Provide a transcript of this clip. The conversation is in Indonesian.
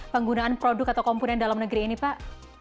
penggunaan produk atau komponen dalam negeri ini pak